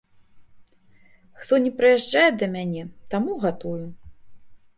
Хто ні прыязджае да мяне, таму гатую.